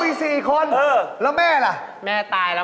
นี่เฮ้ยมัวบอลกลิ่นมะลิ